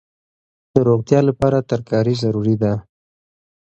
د روغتیا لپاره ترکاري ضروري ده.